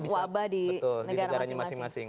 wabah di negaranya masing masing